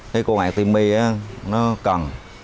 cái con artemia nó cần